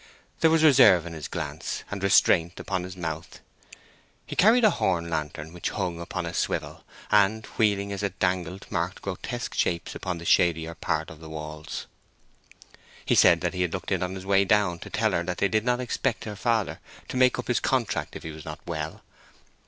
There was reserve in his glance, and restraint upon his mouth. He carried a horn lantern which hung upon a swivel, and wheeling as it dangled marked grotesque shapes upon the shadier part of the walls. He said that he had looked in on his way down, to tell her that they did not expect her father to make up his contract if he was not well.